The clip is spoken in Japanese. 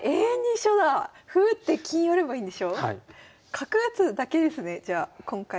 角打つだけですねじゃあ今回は。